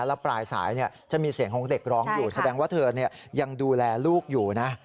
แล้วปลายสายจะมีเสียงของเด็กร้องอยู่แสดงว่าเธอยังดูแลลูกอยู่นะ